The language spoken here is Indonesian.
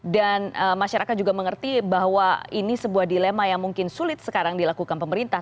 masyarakat juga mengerti bahwa ini sebuah dilema yang mungkin sulit sekarang dilakukan pemerintah